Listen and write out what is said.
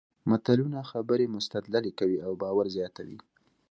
متلونه خبرې مستدللې کوي او باور زیاتوي